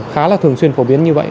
khá là thường xuyên phổ biến như vậy